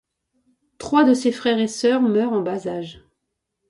Trois de ses frères et sœurs meurent en bas âge.